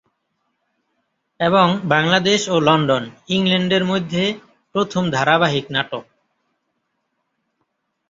এবং বাংলাদেশ ও লন্ডন, ইংল্যান্ডের মধ্যে প্রথম ধারাবাহিক নাটক।